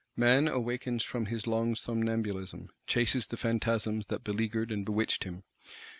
Man awakens from his long somnambulism; chases the Phantasms that beleagured and bewitched him.